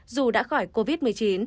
dù đã khỏi covid một mươi chín